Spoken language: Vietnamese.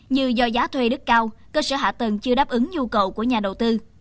như do giá thuê đất cao cơ sở hạ tầng chưa đáp ứng nhu cầu của nhà đầu tư